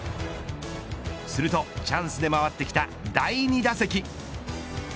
するとチャンスで回ってきた第２打席。